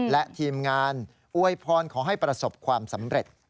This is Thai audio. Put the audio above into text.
และทีมงานอวยพรขอให้ประสบความสำเร็จ